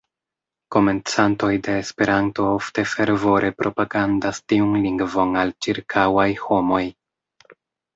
Komencantoj de Esperanto ofte fervore propagandas tiun lingvon al ĉirkaŭaj homoj.